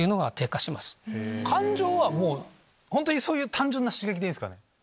感情は本当にそういう単純な刺激でいいんですかね？